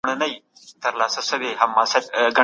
له هر چا سره په ډېره مهربانۍ چلند وکړئ.